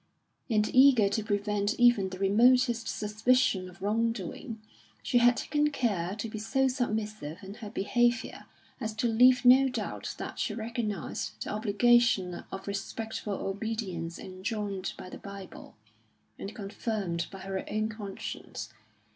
And eager to prevent even the remotest suspicion of wrong doing, she had taken care to be so submissive in her behaviour as to leave no doubt that she recognised the obligation of respectful obedience enjoined by the Bible, and confirmed by her own conscience.